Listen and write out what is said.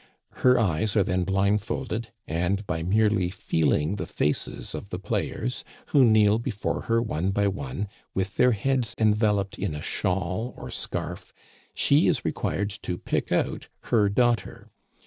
Her eyes are then blindfolded, and, by merely feeling the faces of the players, who kneel before her one by one, with their heads enveloped in a shawl or scarf, she is required to pick out her daughter.